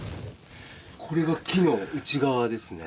これが木の内側ですね？